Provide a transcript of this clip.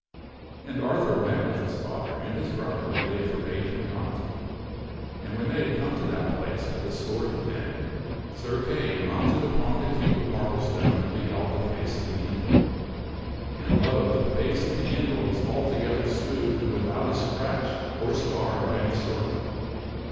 And Arthur went with his father and his brother and they forebade him not. And when they had come to that place where the sword had been, Sir Kay mounted upon the cube of marble stone and beheld the face of the anvil. ' And lo ! the face of the anvil was altogether smooth and without a scratch or scar of any sort.